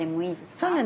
そうなんです。